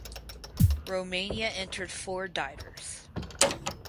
Romania entered four divers.